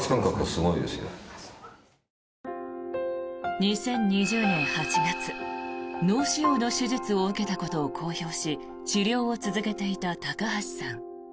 ２０２０年８月脳腫瘍の手術を受けたことを公表し治療を続けていた高橋さん。